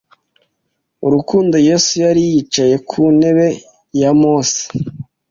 Urukundo Yesu yari yicaye ku ntebe ya Mose